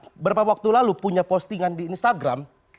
beberapa waktu lalu punya postingan di instagram